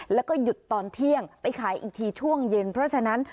แล้วก็หยุดตอนเที่ยงไปขายอีกทีช่วงเย็นเพราะฉะนั้น